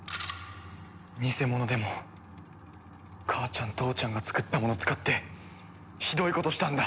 偽物でも母ちゃん父ちゃんが作ったもの使ってひどいことしたんだ。